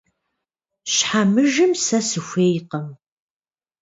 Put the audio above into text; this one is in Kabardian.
Щхьэмыжым сэ сыхуейкъым.